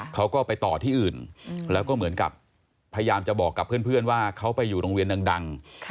เขาก็ไปต่อที่อื่นแล้วก็เหมือนกับพยายามจะบอกกับเพื่อนว่าเขาไปอยู่โรงเรียนดัง